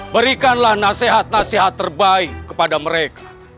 berikanlah nasihat nasihat terbaik kepada mereka